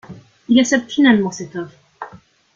Il accepte finalement cette offre.